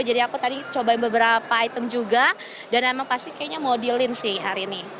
jadi aku tadi cobain beberapa item juga dan emang pasti kayaknya mau deal in sih hari ini